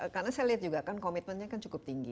karena saya lihat juga kan komitmennya kan cukup tinggi